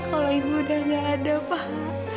kalau ibu udah gak ada pak